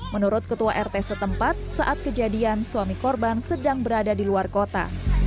menurut ketua rt setempat saat kejadian suami korban sedang berada di luar kota